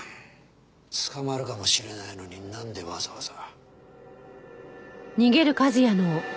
捕まるかもしれないのになんでわざわざ。